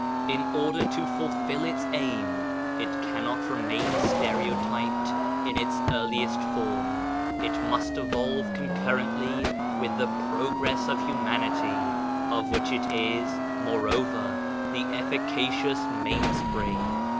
In order to fulfil its aim it cannot remain stereotyped in its earliest form : it must evolve concurrently with the progress of humanity, of which it is, moreover, the efficacious mainspring.